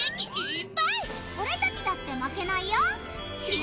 俺たちだって負けないよ！